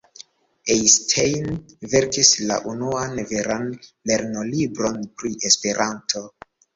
Einstein verkis la unuan veran lernolibron pri Esperanto.